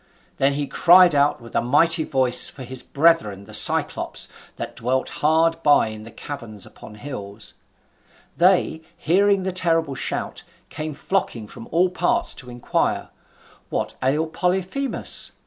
Then he cried out with a mighty voice for his brethren the Cyclops, that dwelt hard by in caverns upon hills; they, hearing the terrible shout, came flocking from all parts to inquire, What ailed Polyphemus?